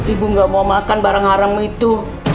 ibu nggak mau makan barang haram itu